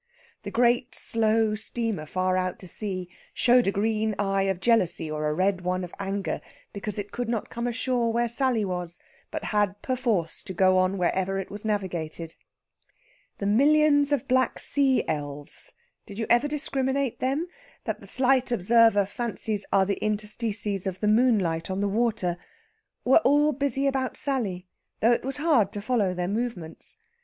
The great slow steamer far out to sea showed a green eye of jealousy or a red one of anger because it could not come ashore where Sally was, but had perforce to go on wherever it was navigated. The millions of black sea elves did you ever discriminate them? that the slight observer fancies are the interstices of the moonlight on the water, were all busy about Sally, though it was hard to follow their movements.